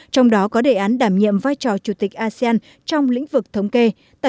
trong đó có đề án đảm nhiệm vai trò chủ tịch asean trong lĩnh vực thống kê